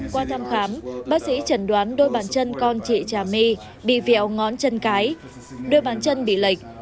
qua thăm khám bác sĩ chẩn đoán đôi bàn chân con chị trà my bị vẹo ngón chân cái đôi bàn chân bị lệch